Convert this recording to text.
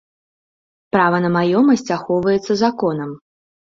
Права на маёмасць ахоўваецца законам.